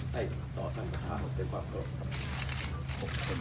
ให้ต่อทางประท้าของเป็นความขอบคุณครับ